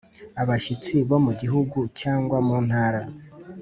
Abashyitsi bo mu gihugu cyangwa muntara